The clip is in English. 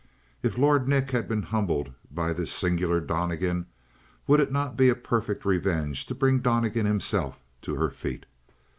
If Lord Nick had been humbled by this singular Donnegan, would it not be a perfect revenge to bring Donnegan himself to her feet?